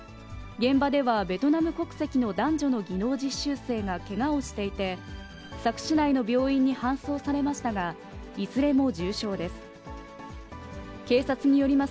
現場ではベトナム国籍の男女の技能実習生がけがをしていて、佐久市内の病院に搬送されましたが、いずれも重傷です。